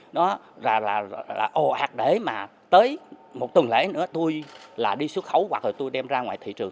nó là hạt để mà tới một tuần lễ nữa tôi là đi xuất khấu hoặc là tôi đem ra ngoài thị trường